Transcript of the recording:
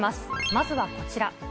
まずはこちら。